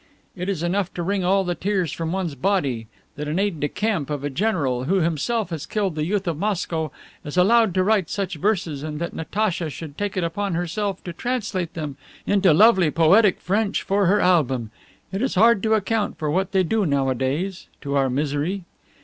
It is enough to wring all the tears from one's body that an aide de camp of a general, who himself has killed the youth of Moscow, is allowed to write such verses and that Natacha should take it upon herself to translate them into lovely poetic French for her album. It is hard to account for what they do nowadays, to our misery."